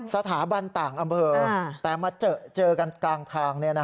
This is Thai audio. สถาบันต่างอำเภอแต่มาเจอกันกลางทาง